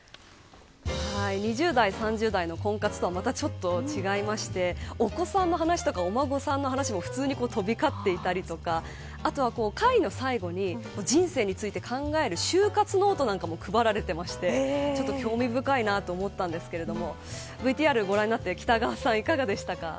２０代、３０代の婚活とはまたちょっと違いましてお子さんの話とか、お孫さんの話も普通に飛び交っていたりとかあとは、会の最後に人生について考える終活ノートなんかも配られてましてちょっと興味深いと思ったんですけれども。